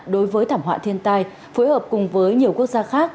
đối với thảm họa thiên tai phối hợp cùng với nhiều quốc gia khác